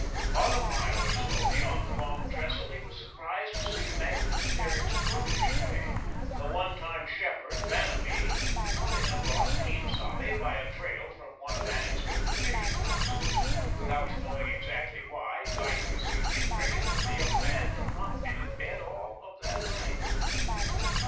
But a mile or so beyond the Long Trestle he was surprised to see Magnus Derrick's protege, the one time shepherd, Vanamee, coming across Quien Sabe, by a trail from one of Annixter's division houses. Without knowing exactly why, Dyke received the impression that the young man had not been in bed all of that night.